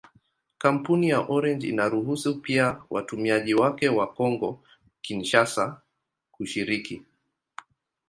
Kampuni ya Orange inaruhusu pia watumiaji wake wa Kongo-Kinshasa kushiriki.